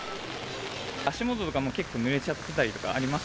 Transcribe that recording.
足元とか、もう結構ぬれちゃってりしてます？